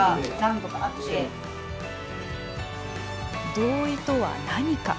同意とは何か。